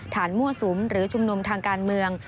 มั่วสุมหรือชุมนุมทางการเมือง